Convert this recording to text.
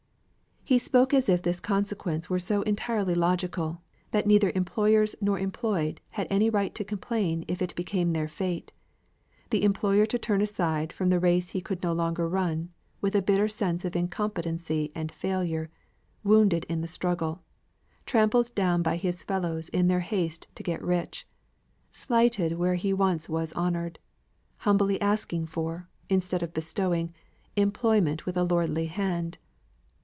He spoke as if this consequence were so entirely logical, that neither employers nor employed had any right to complain if it became their fate: the employer to turn aside from the race he could no longer run, with a bitter sense of incompetency and failure wounded in the struggle trampled down by his fellows in their haste to get rich slighted where he was once honoured humbly asking for, instead of bestowing, employment with a lordly hand.